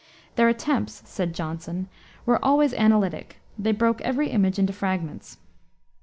"Their attempts," said Johnson, "were always analytic: they broke every image into fragments."